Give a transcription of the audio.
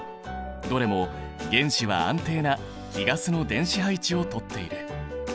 どれも原子は安定な貴ガスの電子配置をとっている。